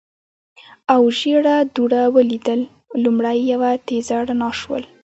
او ژېړه دوړه ولیدل، لومړی یوه تېزه رڼا شول.